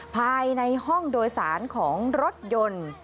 ภายในห้องโดยสารของรถยนต์